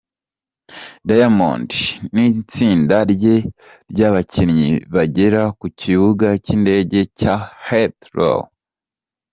Diamond n'itsinda rye ry'ababyinnyi bagera ku kibuga cy'indege cya Heathrow.